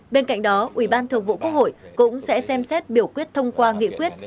bên cạnh đó ủy ban thường vụ quốc hội cũng sẽ xem xét biểu quyết thông qua nghị quyết